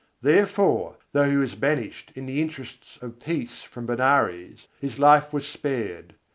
Therefore, though he was banished in the interests of peace from Benares, his life was spared.